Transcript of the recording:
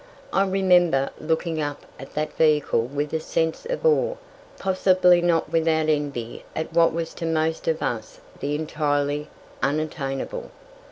I remember looking upon that vehicle with a sense of awe, possibly not without envy at what was to most of us the entirely unattainable.